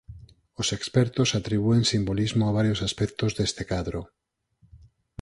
Os expertos atribúen simbolismo a varios aspectos deste cadro.